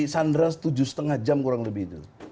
sandras tujuh lima jam kurang lebih